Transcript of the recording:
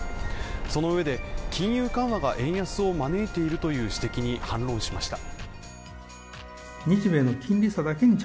そのうえで、金融緩和が円安を招いているという指摘に反論しました。